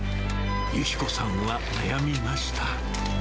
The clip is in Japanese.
由紀子さんは悩みました。